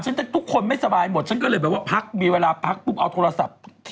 ชาวมาเย็นมา